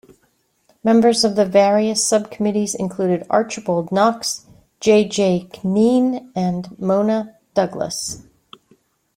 Members of the various sub-committees included Archibald Knox, J J Kneen and Mona Douglas.